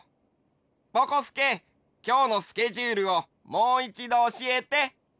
ぼこすけきょうのスケジュールをもういちどおしえて。